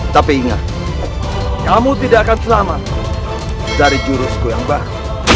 tapi ingat kamu tidak akan selamat dari jurusku yang baru